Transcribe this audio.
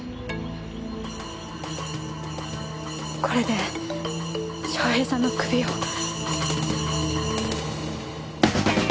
これで翔平さんの首を。